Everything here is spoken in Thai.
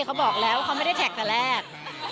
เขาบอกแล้วเขาไม่ได้แท็กแต่แรก